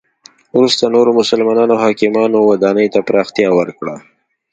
وروسته نورو مسلمانو حاکمانو ودانی ته پراختیا ورکړه.